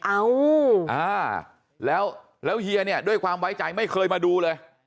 เอ้าแล้วเฮียเนี่ยด้วยความไว้ใจไม่เคยมาดูเลย